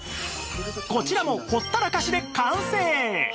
こちらもほったらかしで完成！